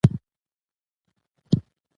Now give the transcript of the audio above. احمدشاه بابا د زړورتیا بېلګه ده.